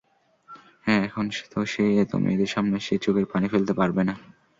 হ্যাঁ, এখন তো সে এতো মেয়েদের সামনে সে চোখের পানি ফেলতে পারবে না।